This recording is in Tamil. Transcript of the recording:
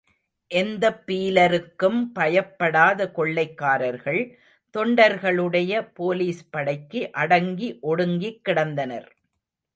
எந்தப் பீலருக்கும் பயப்படாத கொள்ளைக்காரர்கள் தொண்டர்களுடைய போலிஸ் படைக்கு அடங்கி ஒடுங்கிக்கிடந்தனர்.